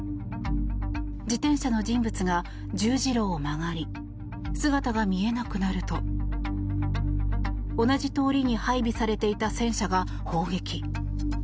自転車の人物が十字路を曲がり姿が見えなくなると同じ通りに配備されていた戦車が砲撃。